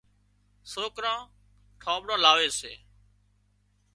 سوڪران ٺانۮڙان لاوي سي